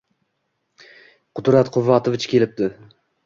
Qudrat Quvvatovich kelibdi